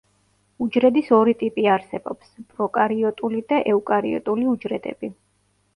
უჯრედის ორი ტიპი არსებობს: პროკარიოტული და ეუკარიოტული უჯრედები.